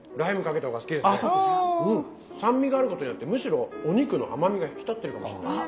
酸味があることによってむしろお肉の甘みが引き立ってるかもしれない。